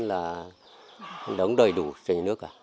nói chung là đống đầy đủ cho nhà nước ạ